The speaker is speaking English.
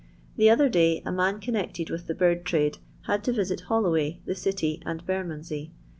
The other day a man connected the bird trade had to yisit HoUoway, the and Bermondsey.